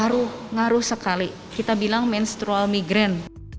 ngaruh ngaruh sekali kita bilang menstrual migran